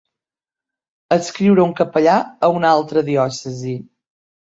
Adscriure's un capellà a una altra diòcesi.